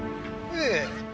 ええ。